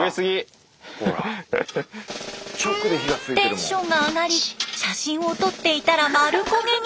テンションが上がり写真を撮っていたら丸焦げに。